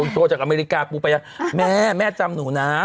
โตจากอเมริกาปูไปยาแม่แม่จำหนูนะ